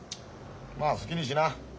まあ好きにしな。